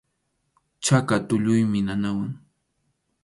Chaka tulluymi nanawan.